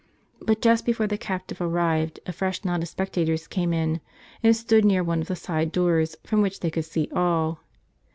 But just before the captive arrived, a fresh knot of spectators came in, and stood near one of the side doors, from which they could see all.